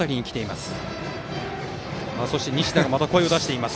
そして西田がまた声を出しています。